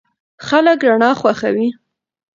خلک رڼا خوښوي.